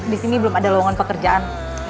disini belum ada lowongan pekerjaan